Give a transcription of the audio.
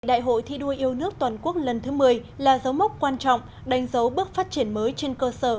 đại hội thi đua yêu nước toàn quốc lần thứ một mươi là dấu mốc quan trọng đánh dấu bước phát triển mới trên cơ sở